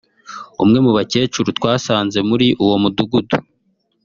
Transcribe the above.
umwe mu bakecuru twasanze muri uwo Mudugudu